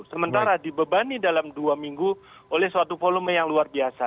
sementara dibebani dalam dua minggu oleh suatu volume yang luar biasa